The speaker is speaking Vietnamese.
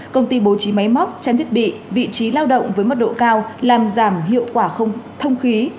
công ty bố trí máy móc chán thiết bị vị trí lao động với mức độ cao làm giảm hiệu quả không thông khí